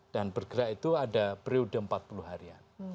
dan bergerak itu ada periode empat puluh harian